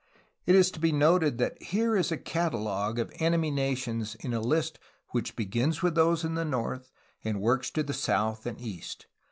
It is to be noted that here is a catalogue of enemy nations in a list which begins with those in the north and works to the south and east.